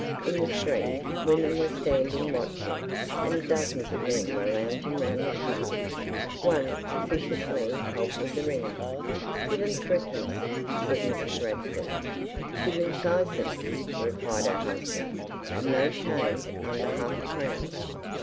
In the street, women were standing watching, and dozens of men were lounging round the cart. One officiously helped with the wringer. "Gi'e him thrippence," said Mrs. Radford. "Gi'e him thysen," replied her husband. "I've no change under half a crown."